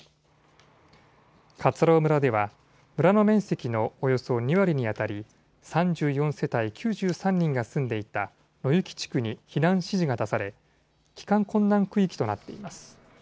葛尾村では村の面積のおよそ２割にあたり３４世帯９３人が住んでいた野行地区に避難指示が出され、帰還困難区域となっています。